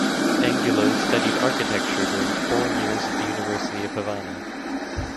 Angulo studied Architecture during four years at the University of Havana.